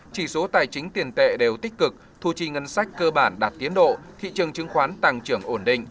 chỉ số tài chính tiền tệ đều tích cực thu chi ngân sách cơ bản đạt tiến độ thị trường chứng khoán tăng trưởng ổn định